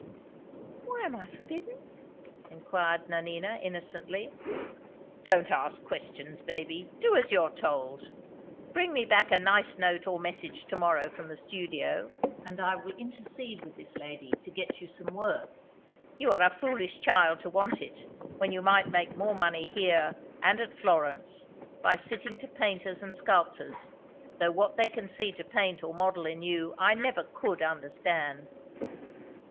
"Why am I forbidden?" inquired Nanina, innocently. "Don't ask questions, baby! Do as you are told. Bring me back a nice note or message to morrow from the studio, and I will intercede with this lady to get you some work. You are a foolish child to want it, when you might make more money here and at Florence, by sitting to painters and sculptors; though what they can see to paint or model in you I never could understand."